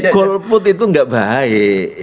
golput itu gak baik